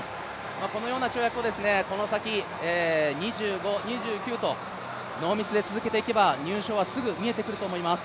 このような跳躍をこの先、２５、２９とノーミスで続けていけば、入賞はすぐ見えてくると思います。